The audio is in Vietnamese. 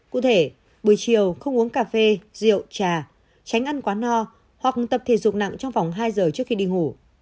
cụ thể buổi chiều không uống cà phê rượu trà tránh ăn quá no hoặc tập thể dục nặng trong vòng hai giờ trước khi đi ngủ